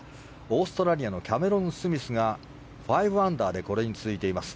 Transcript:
オーストラリアのキャメロン・スミスが５アンダーでこれに続いています。